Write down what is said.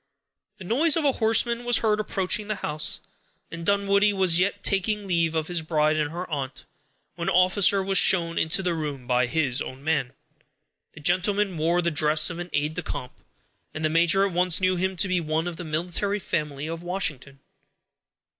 The noise of a horseman was heard approaching the house, and Dunwoodie was yet taking leave of his bride and her aunt, when an officer was shown into the room by his own man. The gentleman wore the dress of an aid de camp, and the major at once knew him to be one of the military family of Washington.